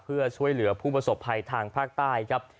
เพื่อช่วยเหลือผู้ประสบภัยทางภาคใต้ครับ